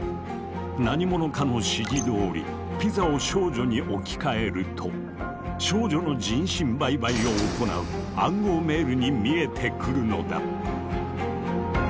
何者かの指示どおり「ピザ」を「少女」に置き換えると「少女の人身売買」を行う暗号メールに見えてくるのだ！